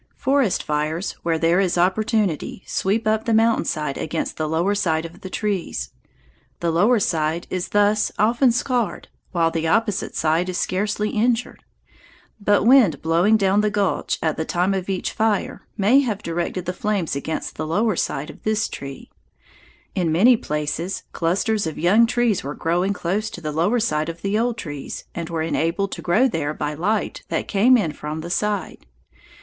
Forest fires, where there is opportunity, sweep up the mountain side against the lower side of the trees. The lower side is thus often scarred while the opposite side is scarcely injured; but wind blowing down the gulch at the time of each fire may have directed the flames against the lower side of this tree. In many places clusters of young trees were growing close to the lower side of the old trees, and were enabled to grow there by light that came in from the side.